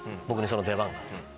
僕にその出番が。